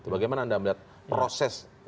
bagaimana anda melihat proses